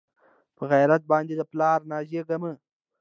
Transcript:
پۀ غېرت باندې د پلار نازېږه مۀ